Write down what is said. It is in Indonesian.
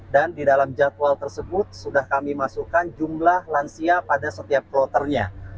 dan di dalam jadwal tersebut sudah kami masukkan jumlah lansia pada setiap ploternya